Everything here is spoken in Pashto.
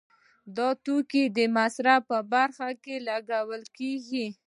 دا توکي د مصرف په برخه کې لګول کیږي.